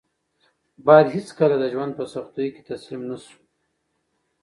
باید هېڅکله د ژوند په سختیو کې تسلیم نه شو.